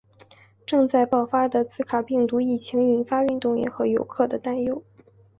目前正在爆发的兹卡病毒疫情引发运动员和游客的担忧。